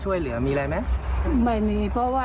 ตัวเองก็คอยดูแลพยายามเท็จตัวให้ตลอดเวลา